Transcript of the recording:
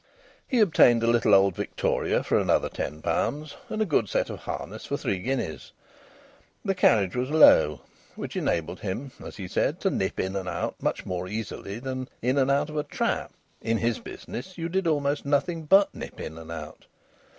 He obtained a little old victoria for another ten pounds, and a good set of harness for three guineas. The carriage was low, which enabled him, as he said, to nip in and out much more easily than in and out of a trap. In his business you did almost nothing but nip in and out.